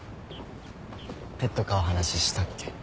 ペット飼う話したっけ？